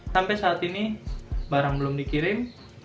sampai saat ini barang belum dikirim